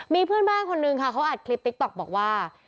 มีเพื่อนบ้านคนนึงค่ะเขาอัดคลิปติ๊กต๊อกบอกว่า